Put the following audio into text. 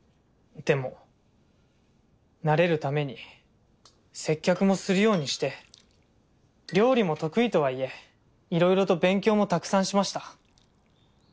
でも慣れるために接客もするようにして料理も得意とはいえいろいろと勉強もたくさんしました。